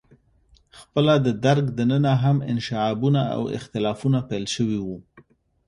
خپله د درګ دننه هم انشعابونه او اختلافونه پیل شوي وو.